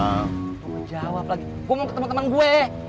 gue mau jawab lagi gue mau ke temen temen gue